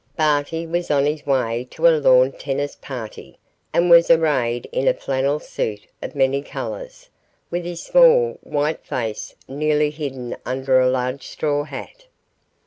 Barty was on his way to a lawn tennis party, and was arrayed in a flannel suit of many colours, with his small, white face nearly hidden under a large straw hat.